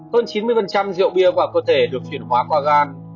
hơn chín mươi rượu bia và cơ thể được chuyển hóa qua gan